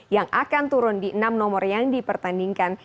yang akan turun di enam nomor yang dipertandingkan